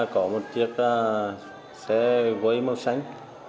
có một chiếc xe với màu xanh